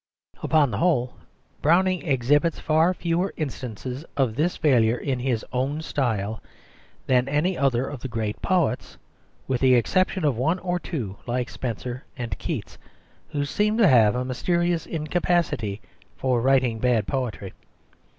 Upon the whole, Browning exhibits far fewer instances of this failure in his own style than any other of the great poets, with the exception of one or two like Spenser and Keats, who seem to have a mysterious incapacity for writing bad poetry.